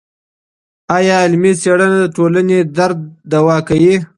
ايا علمي څېړنه د ټولني درد دوا کوي؟